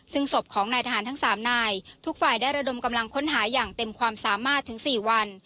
ซึ่งศพของนายทหารทั้ง๓นายทุกฝ่ายได้ระดมกำลังค้นหาอย่างเต็มความสามารถถึง๔วัน